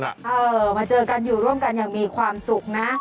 เออมาเจอกันอยู่ร่วมกันอย่างมีความสุขนะ